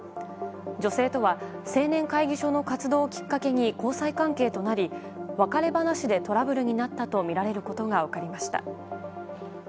女性とは青年会議所の活動をきっかけに交際関係になり別れ話でトラブルになったとみられることが分かりました。